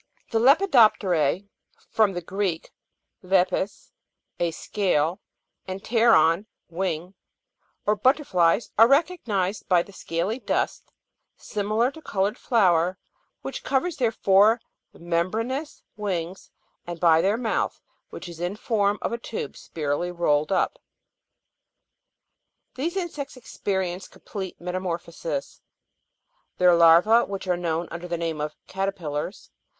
The Lepidop' terse (from the Greek, lepis, a scale, and pteron, wing) or butterflies are recognised by the scaly dust, similar to coloured flour, which covers their four membranous wings, and by their mouth, which is in form of a tube spirally rolled up (Jig. 11). 16. These insects experience complete metamorphosis; their larva?, which are known under the name of caterpillars (Jigs.